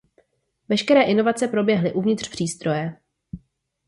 Veškeré inovace proběhly uvnitř přístroje.